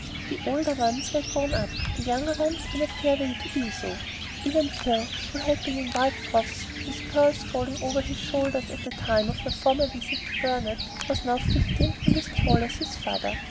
The older ones were grown up, the younger ones in a fair way to be so; even Phil, who had been in white frocks with curls falling over his shoulders at the time of her former visit to Burnet, was now fifteen and as tall as his father.